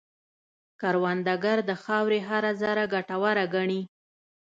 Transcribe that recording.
کروندګر د خاورې هره ذره ګټوره ګڼي